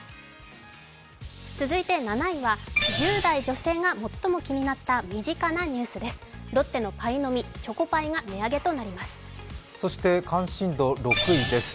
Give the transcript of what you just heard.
続いて７位は１０代女性が最も気になった身近なニュースです。